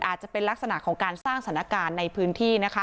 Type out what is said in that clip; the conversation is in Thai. อาจจะเป็นลักษณะของการสร้างสถานการณ์ในพื้นที่นะคะ